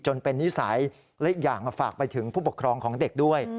เป็นนิสัยและอีกอย่างฝากไปถึงผู้ปกครองของเด็กด้วย